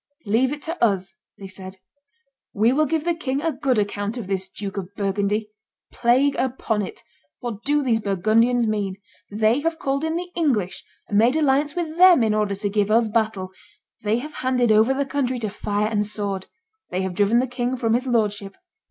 "Leave it to us," they said: "we will give the king a good account of this Duke of Burgundy. Plague upon it! what do these Burgundians mean? They have called in the English and made alliance with them in order to give us battle; they have handed over the country to fire and sword; they have driven the king from his lordship.